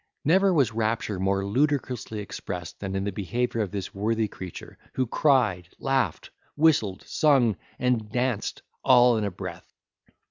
Never was rapture more ludicrously expressed than in the behaviour of this worthy creature, who cried, laughed, whistled, sung, and danced, all in a breath.